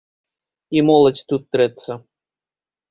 І моладзь тут трэцца.